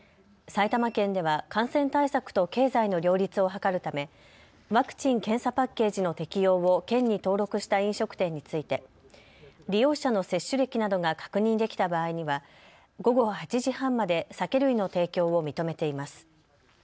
埼玉県では感染対策と経済の両立を図るためワクチン・検査パッケージの適用を県に登録した飲食店について利用者の接種歴などが確認できた場合には午後８時半まで酒類の提供を認めています。